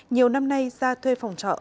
nhiều năm nay ra thuê phòng trọ